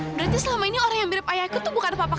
berarti selama ini orang yang mirip ayahku itu bukan papa kamu kan